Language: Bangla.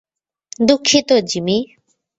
দুঃখিত, জিমি।